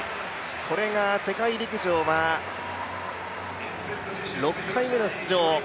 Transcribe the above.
これが世界陸上は６回目の出場。